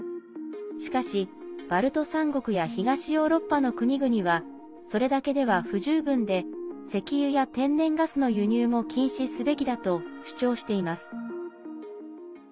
しかし、バルト３国や東ヨーロッパの国々はそれだけでは不十分で石油や天然ガスの輸入も禁止すべきだと主張しています。